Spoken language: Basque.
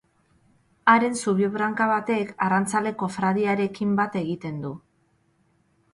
Haren zubi‑branka batek arrantzale‑kofradiarekin bat egiten du.